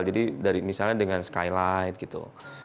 jadi misalnya dengan skylight gitu